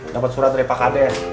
dapat surat dari pakade